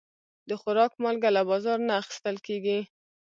د خوراک مالګه له بازار نه اخیستل کېږي.